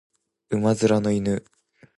馬面の犬